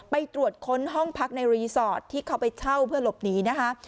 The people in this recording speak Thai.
ไปตรวจค้นห้องพักในรีสอร์ทที่เขาไปเช่าเพื่อหลบหนีนะคะ